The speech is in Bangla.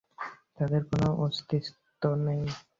তাদের কোনো অস্তিত্ব নেই।